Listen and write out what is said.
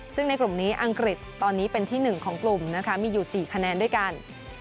ซึ่งในกลุ่มนี้อังกฤษตอนนี้เป็นที่๑ของกลุ่มนะคะมีอยู่๔คะแนนด้วยกัน